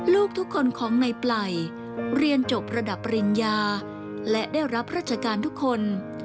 ลูกทุกคนของในปลายเรียนจบระดับปริญญาและได้รับราชการทุกคน